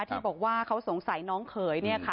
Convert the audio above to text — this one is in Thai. ที่บอกว่าเขาสงสัยน้องเขย